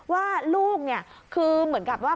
ว่าลูกเนี่ยคือเหมือนกับว่า